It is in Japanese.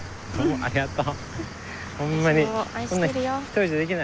ありがとう。